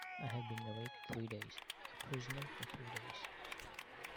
I have been awake three days — a prisoner for three days.